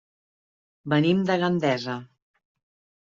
Venim de Gandesa.